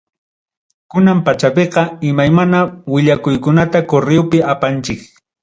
Kuna pachapiqa, imaymana willakuykunata correopi apachinchik.